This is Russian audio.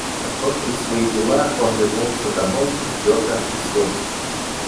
Окончив свои дела, он вернулся домой в четвертом часу.